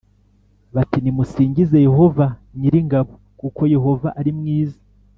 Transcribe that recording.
bati nimusingize Yehova nyir ingabo kuko Yehova ari mwiza